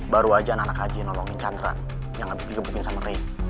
baru aja anak anak haji nolongin chandra yang habis digebukin sama ray